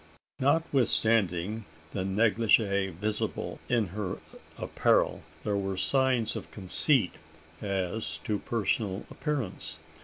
Notwithstanding the neglige visible in her apparel, there were signs of conceit as to personal appearance.